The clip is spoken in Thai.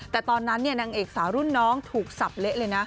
แต่ตอนนั้นนางเอกสาวรุ่นน้องถูกสับเละเลยนะ